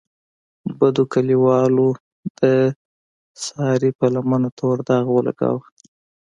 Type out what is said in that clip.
بدو کلیوالو د سارې په لمنه تور داغ ولګولو.